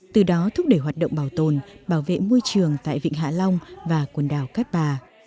từ đó thúc đẩy hoạt động bảo tồn bảo vệ môi trường tại vịnh hạ long và quần đảo cát bà